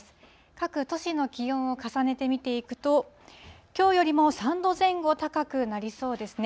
各都市の気温を重ねて見ていくと、きょうよりも３度前後高くなりそうですね。